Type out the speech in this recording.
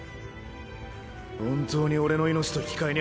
本当に俺の命と引き換えにあいつを。